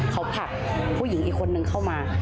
เขาผลักผู้หญิงอีกคนนึงเข้ามา